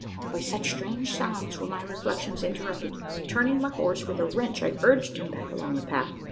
By such strange sounds were my reflections interrupted. Turning my horse with a wrench, I urged him back along the path.